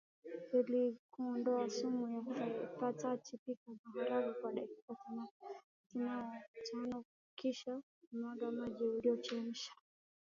Ili kuondoa sumu ya phytate pika maharage kwa dakika tanokisha mwaga maji uliyochemsha